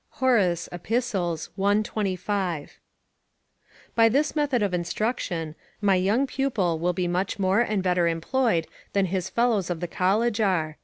Horace, Ep., i. 25.] By this method of instruction, my young pupil will be much more and better employed than his fellows of the college are.